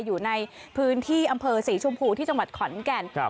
อยู่ในพื้นที่อำเภอศรีชมพูที่จังหวัดขอนแก่น